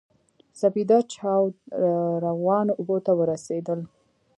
سپېده چاود روانو اوبو ته ورسېدل.